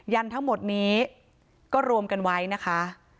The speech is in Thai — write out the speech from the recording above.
ันทั้งหมดนี้ก็รวมกันไว้นะคะ